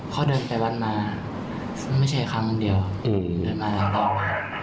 เขาเดินไปวัดมาไม่ใช่ครั้งหนึ่งเดียวเดินมาหลายครั้ง